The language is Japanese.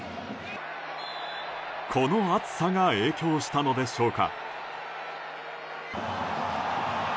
この暑さが影響したのでしょうか。